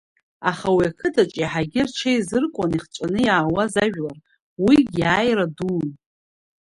Аха уи ақыҭаҿ иаҳагьы рҽеизыркуан ихҵәаны иаауаз ажәлар, уигь иааира дуун.